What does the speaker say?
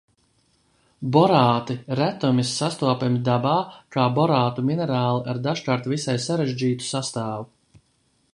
Borāti retumis sastopami dabā kā borātu minerāli ar dažkārt visai sarežģītu sastāvu.